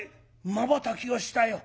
まばたきをしたよ。